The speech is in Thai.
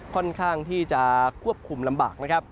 ค่อนข้างที่จะควบคุมลำบาก